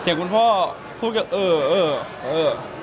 เสียงคุณพ่อพูดอย่างเออเออเออ